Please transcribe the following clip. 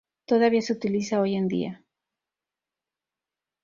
Todavía se utiliza hoy en día.